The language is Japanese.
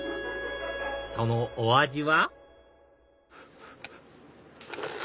そのお味は？